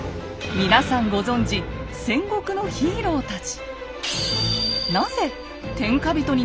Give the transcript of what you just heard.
皆さんご存じ戦国のヒーローたち。